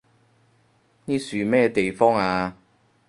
呢樹咩地方啊？